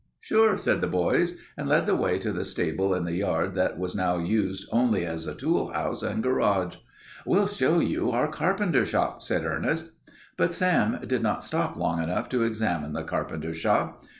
"Sure," said the boys, and led the way to the stable in the yard that was now used only as a tool house and garage. "We'll show you our carpenter shop," said Ernest. But Sam did not stop long to examine the carpenter shop.